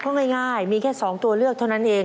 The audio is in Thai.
เพราะง่ายมีแค่๒ตัวเลือกเท่านั้นเอง